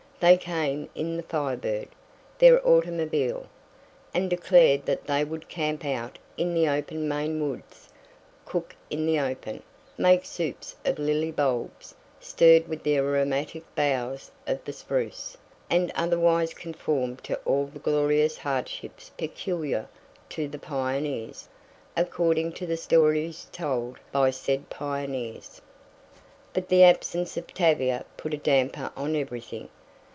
They came in the Firebird, their automobile, and declared that they would camp out in the open Maine woods, cook in the open, make soups of lily bulbs, stirred with the aromatic boughs of the spruce, and otherwise conform to all the glorious hardships peculiar to the pioneers according to the stories told by said pioneers. But the absence of Tavia put a damper on everything.